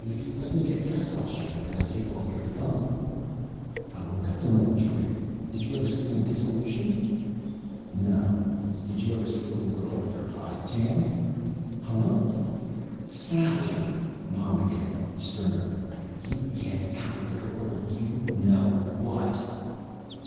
If you let me get dressed, I'll show you how to take your thumb off." "Oh, that's an old trick. Did you ever see an exelution?" "No. Did you ever see a little girl with her hide tanned?" "Huh?" "Sally!" Mom again, sterner. "You get out of there, or you know what